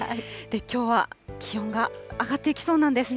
きょうは気温が上がっていきそうなんです。